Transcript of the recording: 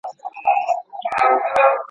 اجرات باید ناقص نه وي.